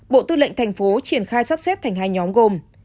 bộ tư lệnh tp hcm triển khai sắp xếp thành hai nhóm gồm